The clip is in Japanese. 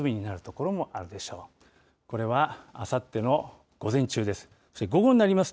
これはあさっての午前中です。